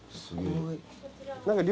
すごいな。